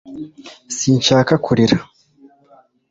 sinshaka kurira